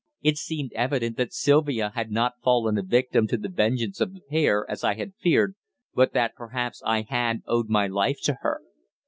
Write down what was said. It seemed evident that Sylvia had not fallen a victim to the vengeance of the pair, as I had feared, but that perhaps I had owed my life to her.